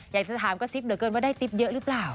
อยากจะถามกระซิบเหลือเกินว่าได้ติ๊บเยอะหรือเปล่า